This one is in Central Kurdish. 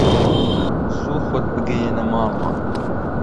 زوو خۆت بگەیەنە ماڵمان